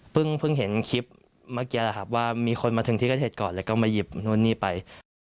เพิ่งเห็นคลิปเมื่อกี้แหละครับว่ามีคนมาถึงที่กระเทศก่อนแล้วก็มาหยิบนู่นนี่ไป